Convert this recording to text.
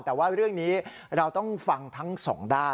แต่ว่าเรื่องนี้เราต้องฟังทั้งสองด้าน